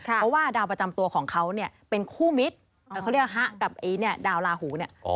เพราะว่าดาวประจำตัวของเขาเป็นคู่มิตรเขาเรียกว่าฮะกับดาวราหู